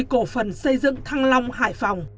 cổ phần xây dựng thăng long hải phòng